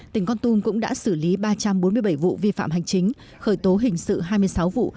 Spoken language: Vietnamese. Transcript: tỉnh con tum cũng đã xử lý ba trăm bốn mươi bảy vụ vi phạm hành chính khởi tố hình sự hai mươi sáu vụ